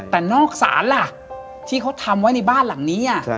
แต่นอกศาลล่ะที่เขาทำไว้ในบ้านหลังนี้